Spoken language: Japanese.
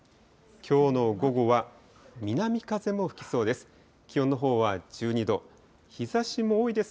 きょうの午後は南風も吹きそうです。